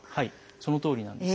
そのとおりなんですね。